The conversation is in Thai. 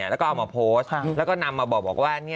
แล้วก็เอามาโพสต์แล้วก็นำมาบอกว่า